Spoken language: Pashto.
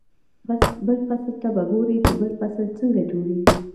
بل فصل ته به ګوري چې بل فصل څنګه جوړېږي.